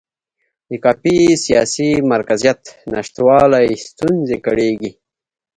د کافي سیاسي مرکزیت نشتوالي ستونزې کړېږي.